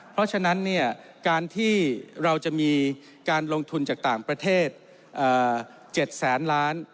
เพราะฉะนั้นการที่เราจะมีการลงทุนจากต่างประเทศ๗แสนล้าน